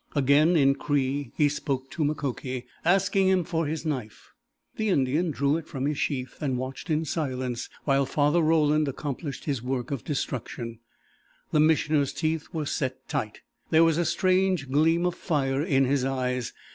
Again in Cree he spoke to Mukoki, asking him for his knife. The Indian drew it from his sheath and watched in silence while Father Roland accomplished his work of destruction. The Missioner's teeth were set tight. There was a strange gleam of fire in his eyes.